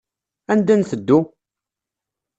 Anda nteddu?